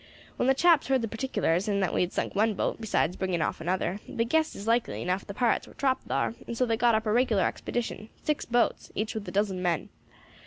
"When the chaps heard the particulars, and that we had sunk one boat, besides bringing off another, they guessed as likely enough the pirates war trapped thar; and so they got up a regular expedition, six boats, each with a dozen men.